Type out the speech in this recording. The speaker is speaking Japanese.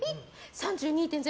３２．０！